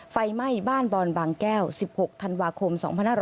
ไฟไหม้บ้านบอนบางแก้ว๑๖ธันวาคม๒๕๖๐